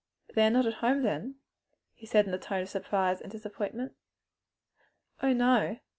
"They are not at home then?" he said in a tone of surprise and disappointment. "Oh, no!